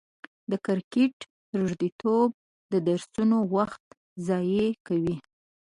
د کرکټ روږديتوب د درسونو وخت ضايع کوي.